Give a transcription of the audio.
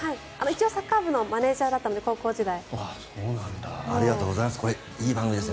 一応サッカー部のマネジャーだったので。